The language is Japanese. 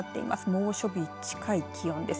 猛暑日近い気温です。